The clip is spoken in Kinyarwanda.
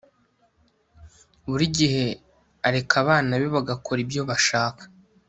Buri gihe areka abana be bagakora ibyo bashaka